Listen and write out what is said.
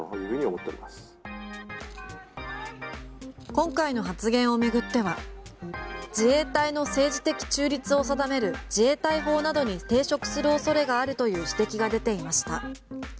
今回の発言を巡っては自衛隊の政治的中立を定める自衛隊法などに抵触する恐れがあるという指摘が出ていました。